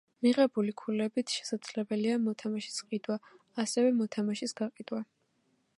მიღებული ქულებით შესაძლებელია მოთამაშის ყიდვა, ასევე მოთამაშის გაყიდვა.